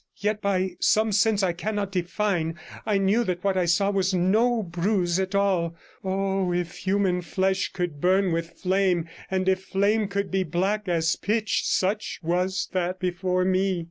Yet, by some sense I cannot define, I knew that what I saw was no bruise at all; oh! if human flesh could burn with flame, and if flame could be black as pitch, such was that before me.